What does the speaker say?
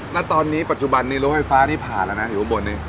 ณตอนนี้ปัจจุบันนี้โรงไฟฟ้านี่ผ่านแล้วนะอยู่ข้างบนนี้